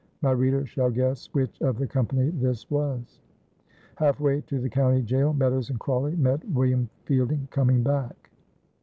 My reader shall guess which of the company this was. Half way to the county jail Meadows and Crawley met William Fielding coming back.